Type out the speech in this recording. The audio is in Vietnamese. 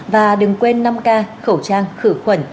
và đừng quên năm k khẩu trang khử khuẩn